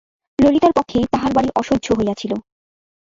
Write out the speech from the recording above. ললিতার পক্ষে তাহার বাড়ি অসহ্য হইয়াছিল।